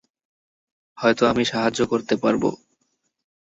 হয়তো আমি সাহায্য করতে পারব।